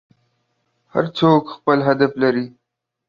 هر څوک خپل هدف لري.